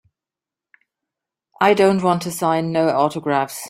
I don't wanta sign no autographs.